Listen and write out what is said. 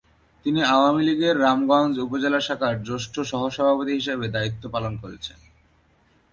তিনি আওয়ামী লীগের রামগঞ্জ উপজেলা শাখার জ্যেষ্ঠ সহ-সভাপতি হিসেবে দায়িত্ব পালন করছেন।